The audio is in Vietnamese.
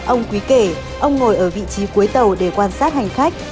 ông quý kể ông ngồi ở vị trí cuối tàu để quan sát hành khách